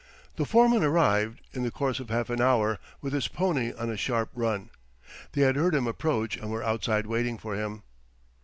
The foreman arrived, in the course of half an hour, with his pony on a sharp run. They had heard him approach, and were outside waiting for him.